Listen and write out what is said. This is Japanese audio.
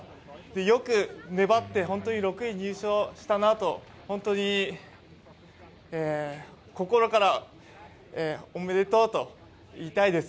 よく粘って本当に６位入賞したなと本当に心からおめでとうと言いたいです。